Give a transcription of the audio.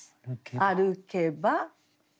「歩けば」。